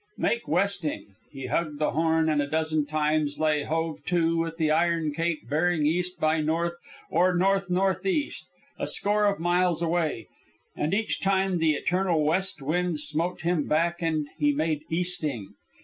Make westing! He hugged the Horn, and a dozen times lay hove to with the iron Cape bearing east by north, or north north east, a score of miles away. And each time the eternal west wind smote him back and he made easting.